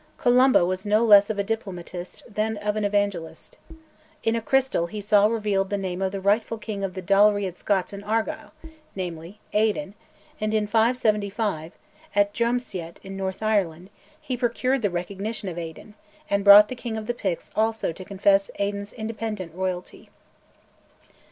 Columba was no less of a diplomatist than of an evangelist. In a crystal he saw revealed the name of the rightful king of the Dalriad Scots in Argyll namely, Aidan and in 575, at Drumceat in North Ireland, he procured the recognition of Aidan, and brought the King of the Picts also to confess Aidan's independent royalty.